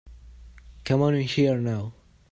Come on in here now.